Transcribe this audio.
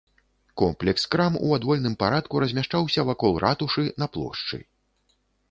Комплекс крам у адвольным парадку размяшчаўся вакол ратушы на плошчы.